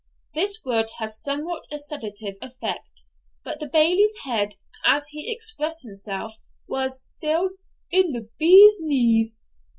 This word had somewhat a sedative effect, but the Bailie's head, as he expressed himself, was still 'in the bees.'